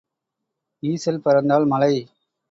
ஈசல் பறந்தால் மழை.